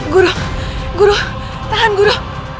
guru guru tahan guru